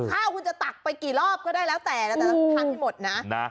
ข้าวคุณจะตักไปกี่รอบก็ได้แล้วแต่ละทานให้หมดนะ